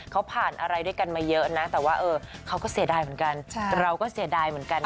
เค้าผ่านอะไรด้วยกันไว้เยอะนะแต่ว่าเออเค้าก็เศรษฐาเหมือนกันเราก็เศรษฐาเหมือนกันนะ